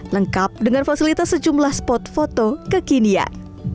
lengkap dengan fasilitas sejumlah spot foto kekinian